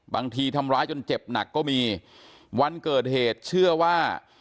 ทำร้ายจนเจ็บหนักก็มีวันเกิดเหตุเชื่อว่า